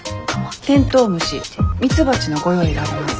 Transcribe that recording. テントウムシミツバチのご用意があります。